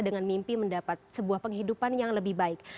dengan mimpi mendapat sebuah penghidupan yang lebih baik